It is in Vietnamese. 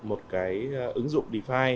một cái ứng dụng defi